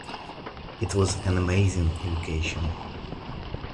It was an amazing education.